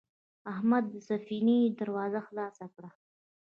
احمد د سفینې دروازه خلاصه کړه.